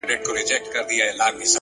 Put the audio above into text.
مثبت ذهن د فرصتونو ښکار کوي.!